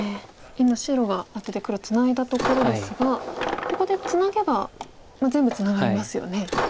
今白がアテて黒ツナいだところですがここでツナげば全部ツナがりますよね。